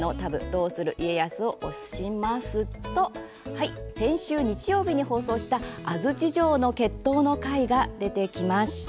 「どうする家康」を押しますと先週日曜日に放送した「安土城の決闘」の回が出てきました。